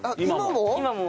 今も？